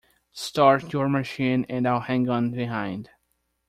Start your machine and I'll hang on behind.